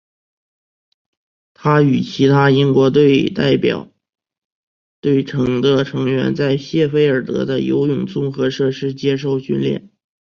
他与其他英国代表队的成员在谢菲尔德的的游泳综合设施接受训练。